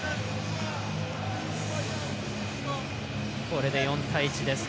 これで４対１です。